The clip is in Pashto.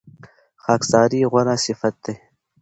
خاکساري غوره صفت دی.